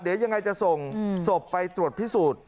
เดี๋ยวยังไงจะส่งศพไปตรวจพิสูจน์